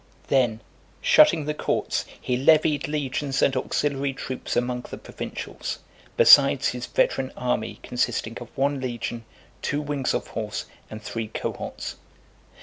Then shutting the courts, he levied legions and auxiliary troops among the provincials, besides his veteran army consisting of one legion, two wings of horse, and three cohorts.